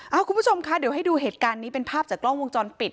คุณผู้ชมคะเดี๋ยวให้ดูเหตุการณ์นี้เป็นภาพจากกล้องวงจรปิด